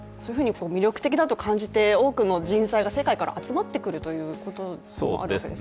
魅力的だと感じて、多くの人材が世界から集まってくるというわけですよね？